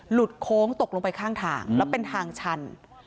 โค้งตกลงไปข้างทางแล้วเป็นทางชัน